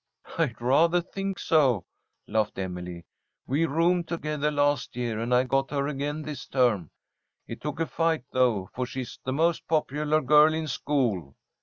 "I rather think so," laughed Emily. "We roomed together last year, and I got her again this term. It took a fight, though, for she's the most popular girl in school."